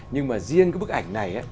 nhưng mà riêng cái bức ảnh này